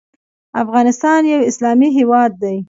افغانستان یو اسلامي هیواد دی.